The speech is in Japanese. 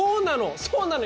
そうなの！